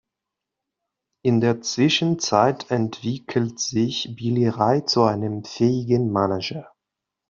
In der Zwischenzeit entwickelt sich Billy Ray zu einem fähigen Manager.